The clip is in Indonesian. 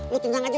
lo tinggal aja